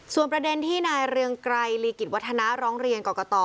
ส่วนประเด็นที่นายเรืองไกรลีกิจวัฒนาร้องเรียนกรกต